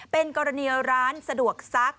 เป็นกรณีร้านสะดวกซัก